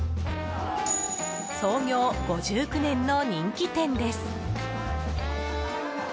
創業５９年の人気店です。